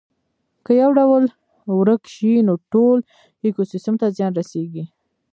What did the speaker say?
که یو ډول ورک شي نو ټول ایکوسیستم ته زیان رسیږي